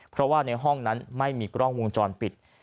เพราะว่าในห้องนั้นไม่มีกล้องวงจรปิด